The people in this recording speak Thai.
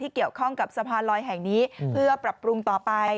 เกี่ยวข้องกับสะพานลอยแห่งนี้เพื่อปรับปรุงต่อไป